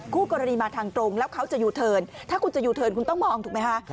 คู่กรณีมาทางตรงแล้วเขาจะยูเทิร์นถ้าคุณจะยูเทิร์นคุณต้องมองถูกไหมคะ